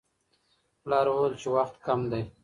پلار وویل چې وخت کم دی.